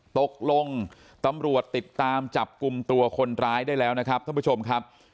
ตกลงตำรวจติดตามจับกลุ่มตัวคนร้ายได้แล้วนะครับท่านผู้ชมครับ